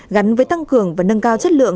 gắn với tăng cường và nâng cao chất lượng